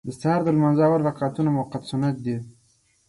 د سهار د لمانځه اول رکعتونه مؤکد سنت دي.